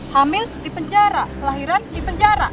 hamil di penjara kelahiran di penjara